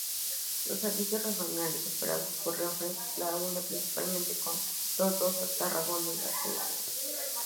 Los servicios regionales operados por Renfe la unen principalmente con Tortosa, Tarragona y Barcelona.